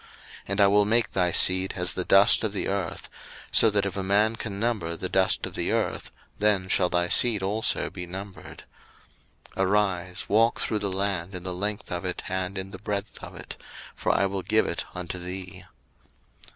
01:013:016 And I will make thy seed as the dust of the earth: so that if a man can number the dust of the earth, then shall thy seed also be numbered. 01:013:017 Arise, walk through the land in the length of it and in the breadth of it; for I will give it unto thee.